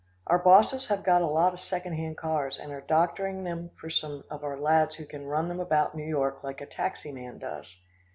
"Our bosses have got a lot of second hand cars, and are doctoring them for some of our lads who can run them about New York like a taxi man does."